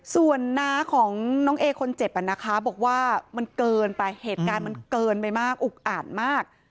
ส่วนน้าของน้องเอคนเจ็บนะคะบอกว่ามันเกินไปเหตุการณ์มันเกินไปมากอุกอ่านมาก